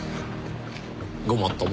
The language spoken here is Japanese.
ごもっとも。